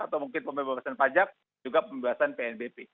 atau mungkin pembebasan pajak juga pembebasan pnbp